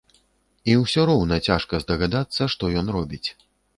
І ўсё роўна цяжка здагадацца, што ён робіць.